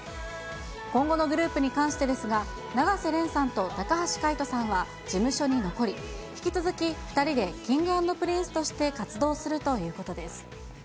今後のグループに関してですが、永瀬廉さんと高橋海人さんは事務所に残り、引き続き、２人でＫｉｎｇ＆Ｐｒｉｎｃｅとして活動するということです。